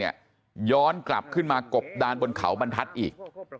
ย้อนกลับขึ้นมากบดานบนเขาบรรทัศน์อีก